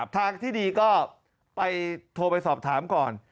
ทางที่ดีก็ไปโทรไปสอบถามก่อน